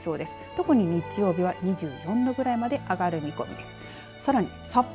特に日曜日は２４度ぐらいまで上がる見込みです。